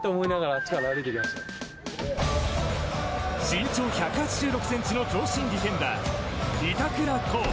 身長１８６ｃｍの長身ディフェンダー、板倉滉。